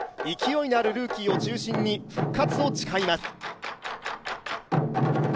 勢いのあるルーキーを中心に復活を誓います。